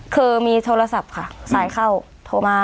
คือมีโทรศัพท์ค่ะสายเข้าโทรมา